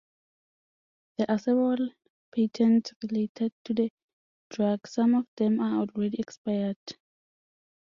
There are several patents related to the drug; some of them are already expired.